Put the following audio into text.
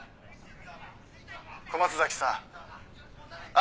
「小松崎さん」